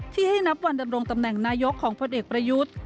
ที่ให้นับวันดำรงตำแหน่งนายกของพลเอกประยุทธ์